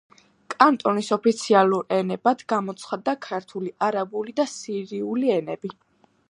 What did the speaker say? კანტონის ოფიციალურ ენებად გამოცხადდა ქურთული, არაბული და სირიული ენები.